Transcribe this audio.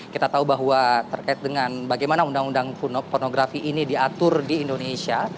kita tahu bahwa terkait dengan bagaimana undang undang pornografi ini diatur di indonesia